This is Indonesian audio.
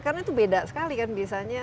karena itu beda sekali kan biasanya